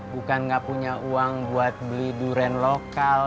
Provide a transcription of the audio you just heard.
bukan nggak punya uang buat beli durian lokal